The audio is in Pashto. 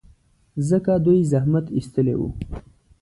ځکه دوی زحمت ایستلی و.